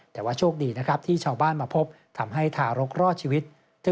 แต่ว่าโชคดีนะครับที่ชาวบ้านมาพบทำให้ทารกรอดชีวิต